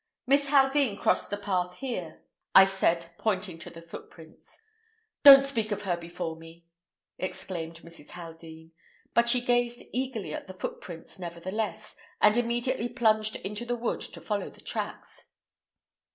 "Miss Haldean crossed the path here," I said, pointing to the footprints. "Don't speak of her before me!" exclaimed Mrs. Haldean; but she gazed eagerly at the footprints, nevertheless, and immediately plunged into the wood to follow the tracks.